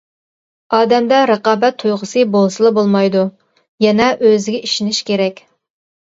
ئادەمدە رىقابەت تۇيغۇسى بولسىلا بولمايدۇ، يەنە ئۆزىگە ئىشىنىش كېرەك.